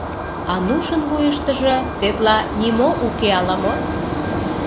Анушын вуйыштыжо тетла нимо уке ала-мо.